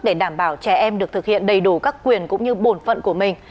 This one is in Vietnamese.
để đảm bảo trẻ em được thực hiện đầy đủ các quyền cũng như bổn phận của mình